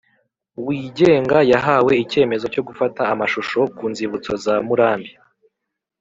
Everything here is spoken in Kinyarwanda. wigenga yahawe icyemezo cyo gufata amashusho ku nzibutso za Murambi